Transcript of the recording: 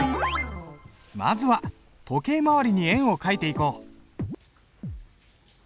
まずは時計回りに円を書いていこう。